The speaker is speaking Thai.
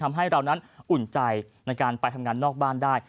ทำให้เรานั้นอุ่นใจในการไปทำงานนอกบ้านได้